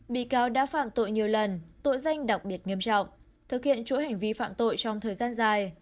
bị cáo đã phạm tội nhiều lần tội danh đặc biệt nghiêm trọng thực hiện chuỗi hành vi phạm tội trong thời gian dài